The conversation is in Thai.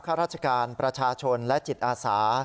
ข้าราชการประชาชนและจิตอาสา